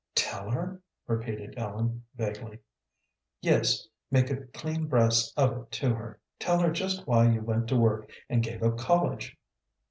"Tell her?" repeated Ellen, vaguely. "Yes; make a clean breast of it to her. Tell her just why you went to work, and gave up college?"